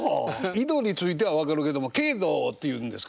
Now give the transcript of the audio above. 緯度については分かるけれども経度っていうんですか？